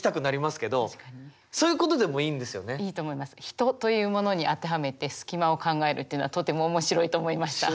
ヒトというものに当てはめてスキマを考えるっていうのはとても面白いと思いました。